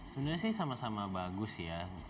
sebenernya sih sama sama bagus sih ya